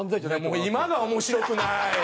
もう今が面白くない！